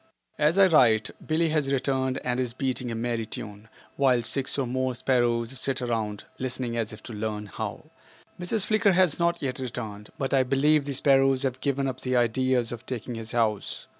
As I write Billie has returned and is beating a merry tune, while six or more sparrows sit around listening as if to learn how. Mrs. Flicker has not yet returned, but I believe the sparrows have given up the idea of taking his house.